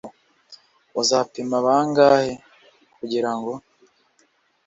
uzapima bangahe?kugirango